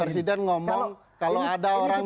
presiden ngomong kalau ada orang